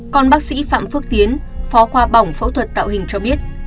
còn bác sĩ phạm phước tiến phó khoa bỏng phẫu thuật tạo hình cho biết